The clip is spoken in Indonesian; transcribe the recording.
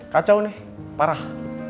kacau nih parah